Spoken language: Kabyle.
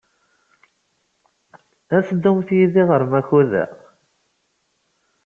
Ad teddumt yid-i ɣer Makuda?